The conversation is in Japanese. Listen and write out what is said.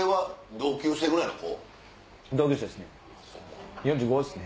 同級生っすね。